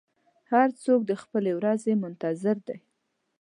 هر څوک د خپلې ورځې منتظر دی.